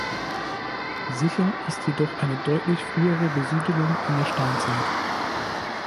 Sicher ist jedoch eine deutlich frühere Besiedelung in der Steinzeit.